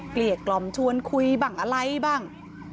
เกลียดกล่อมชวนคุยบ้างอะไรบ้าง